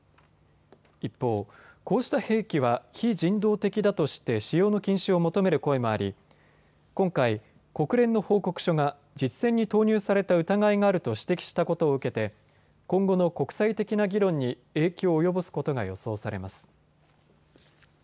一方、こうした兵器は非人道的だとして使用の禁止を求める声もあり今回、国連の報告書が、実戦に投入された疑いがあると指摘したことを受けて今後の国際的な議論に影響を及ぼすことが予想されます。